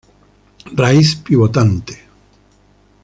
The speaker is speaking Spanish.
Raíz pivotante.